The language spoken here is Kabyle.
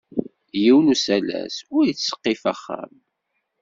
Yiwen usalas ur ittseqqif axxam.